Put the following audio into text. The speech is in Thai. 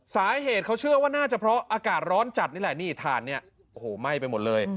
สาเหตุเขาเชื่อว่าน่าจะเพราะอากาศร้อนจัดนี่แหละนี่ถ่านเนี่ยโอ้โหไหม้ไปหมดเลย